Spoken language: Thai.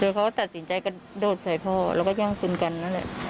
เดี๋ยวเขาก็ตัดสินใจก็โดดใส่พ่อแล้วก็ย่างคืนกันนั่นแหละ